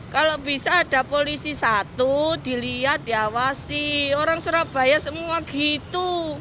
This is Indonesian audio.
kalau bisa ada polisi satu dilihat diawasi orang surabaya semua gitu